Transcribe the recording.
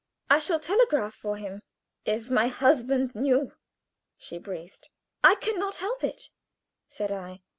"I shall telegraph for him." "If my husband knew!" she breathed. "I can not help it," said I.